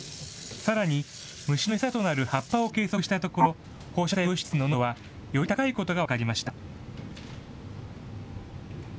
さらに、虫の餌となる葉っぱを計測したところ、放射性物質の濃度はより高いことが分かりました。